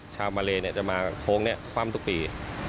ชาวมาเลจะมาโค้งคว่ำทุกปี